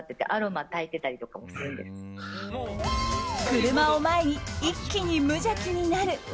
車を前に一気に無邪気になる。